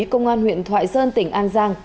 công an huyện thoại sơn tỉnh an giang